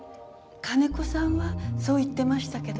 金子さんはそう言ってましたけど。